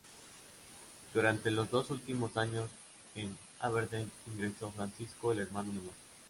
Durante los dos últimos años en Aberdeen ingresó Francisco, el hermano menor.